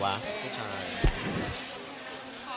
ขาตึงเลยค่ะ